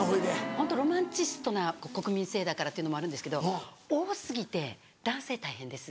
ホントロマンチストな国民性だからっていうのもあるんですけど多過ぎて男性大変です。